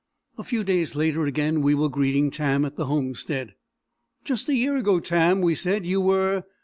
A few days later again we were greeting Tam at the homestead. "Just a year ago, Tam," we said, "you were..."